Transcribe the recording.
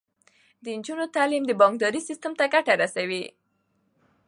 د نجونو تعلیم د بانکدارۍ سیستم ته ګټه رسوي.